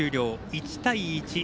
１対１。